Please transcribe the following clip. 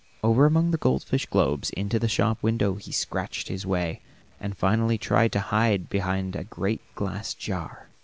Over among the goldfish globes into the shop window he scratched his way, and finally tried to hide behind a great glass jar.